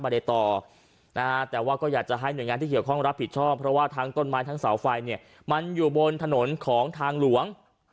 ในต่อนะฮะแต่ว่าก็อยากจะให้หน่วยงานที่เกี่ยวข้องรับผิดชอบเพราะว่าทั้งต้นไม้ทั้งเสาไฟเนี่ยมันอยู่บนถนนของทางหลวง